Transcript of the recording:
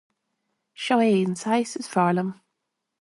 Sé seo an saghas is fearr liom.